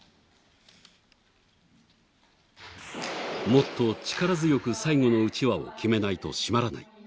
もっと力強く最後のうちわを決めないと締まらない。